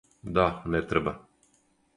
Да, не треба.